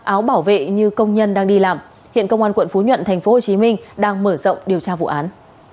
áo bảo vệ như công nhân đang đi làm hiện công an quận phú nhuận tp hcm đang mở rộng điều tra vụ án